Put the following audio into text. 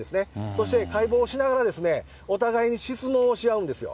そして解剖しながらお互いに質問をし合うんですよ。